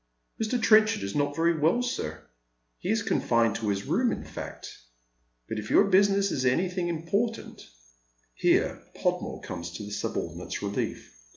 " Mr. Trenchard is not very well, sir. He is confined to his room, in fact ; but if your business is anything important " Here Podraore comes to the subordinate's relief.